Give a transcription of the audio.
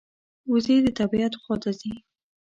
وزې د طبعیت خوا ته ځي